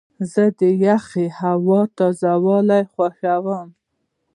زه د یخې هوا تازه والی خوښوم.